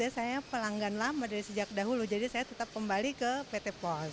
saya pelanggan lama dari sejak dahulu jadi saya tetap kembali ke pt pos